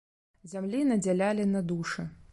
Зямлі надзялялі на душы.